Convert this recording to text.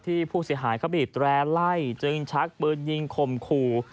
ผู้เสียหายเขาบีดแรร์ไล่จึงชักปืนยิงข่มขู่